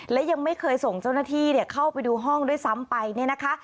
และยังไม่เคยส่งเจ้าหน้าที่เข้าไปดูห้องด้วยซ้ำไปเนี่ยนะคะ